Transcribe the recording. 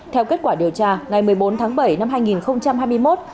theo kết quả điều tra ngày một mươi bốn tháng bảy năm hai nghìn hai mươi một